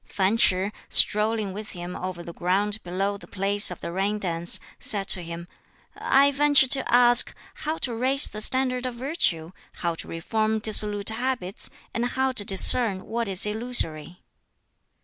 Fan Ch'i, strolling with him over the ground below the place of the rain dance, said to him, "I venture to ask how to raise the standard of virtue, how to reform dissolute habits, and how to discern what is illusory?"